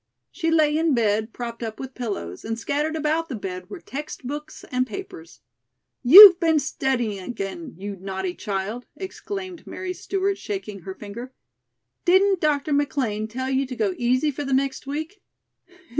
She lay in bed, propped up with pillows, and scattered about the bed were text books and papers. "You've been studying again, you naughty child," exclaimed Mary Stewart, shaking her finger. "Didn't Dr. McLean tell you to go easy for the next week?"